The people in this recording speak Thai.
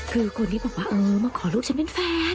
คือคนที่บอกว่าเออมาขอลูกฉันเป็นแฟน